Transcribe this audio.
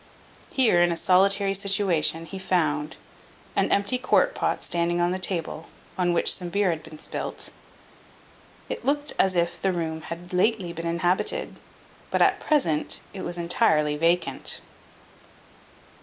Here, in a solitary situation, he found an empty quart pot standing on the table, on which some beer being spilt, it looked as if the room had lately been inhabited; but at present it was entirely vacant.